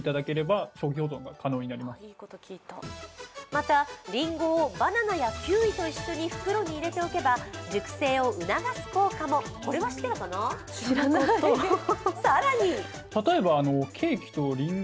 また、りんごをバナナやキウイと一緒に袋に入れておけば熟成を促す効果も、これは知ってたかな、更にさあ、やってみましょう。